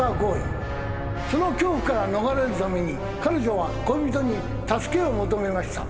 その恐怖から逃れるために彼女は恋人に助けを求めました。